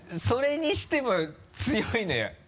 それにしても強いのよ。